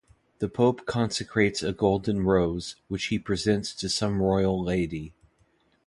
The Pope consecrates a golden rose, which he presents to some royal lady.